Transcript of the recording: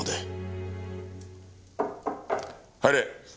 入れ。